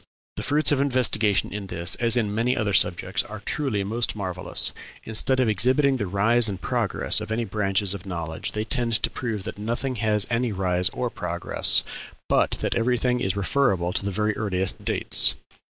The fruits of investigation in this, as in many other subjects, are truly most marvellous. Instead of exhibiting the rise and progress of any branches of knowledge, they tend to prove that nothing had any rise or progress, but that everything is referable to the very earliest dates.